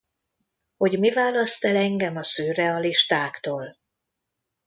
Hogy mi választ el engem a szürrealistáktól?